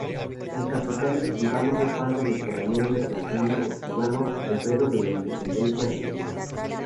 El Capitán Escribano fue padre del Coronel Bernardino Escribano, guerrero de la Independencia Argentina.